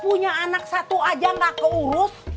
punya anak satu aja gak keurus